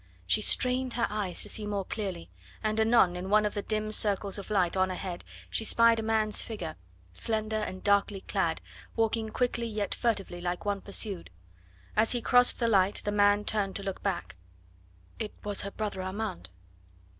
She strained her eyes to see more clearly, and anon in one of the dim circles of light on ahead she spied a man's figure slender and darkly clad walking quickly yet furtively like one pursued. As he crossed the light the man turned to look back. It was her brother Armand.